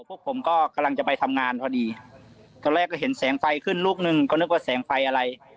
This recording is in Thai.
พวกผมก็กำลังจะไปทำงานพอดีตอนแรกก็เห็นแสงไฟขึ้นลูกนึงก็นึกว่าแสงไฟอะไร